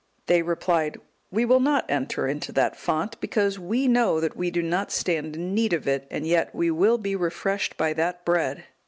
They replied, "We will not enter into that font, because we know that we do not stand in need of it, and yet we will be refreshed by that bread."